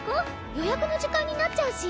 予約の時間になっちゃうし。